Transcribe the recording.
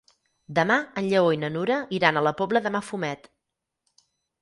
Demà en Lleó i na Nura iran a la Pobla de Mafumet.